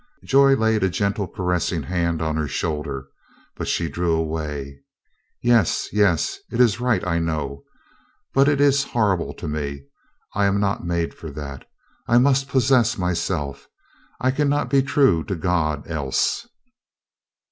Joy laid a gentle caressing hand on her shoulder, but she drew away. "Yes, yes, it is right, I know. But it is horrible to me. I am not made for that. I must possess myself. I can not be true to God else."